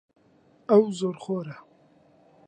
ئەو زۆرخۆرە.